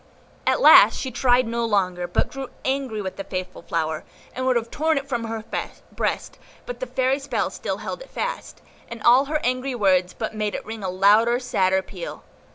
At last she tried no longer, but grew angry with the faithful flower, and would have torn it from her breast; but the fairy spell still held it fast, and all her angry words but made it ring a louder, sadder peal.